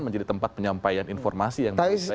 menjadi tempat penyampaian informasi